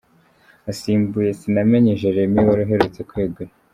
Asimbuye Sinamenye Jeremie wari uherutse kwegura.